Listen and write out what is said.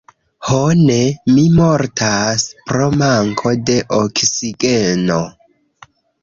Ho ne! Mi mortas pro manko de oksigeno!